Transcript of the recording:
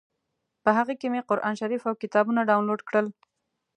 په هغه کې مې قران شریف او کتابونه ډاونلوډ کړل.